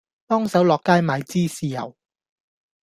幫手落街買支豉油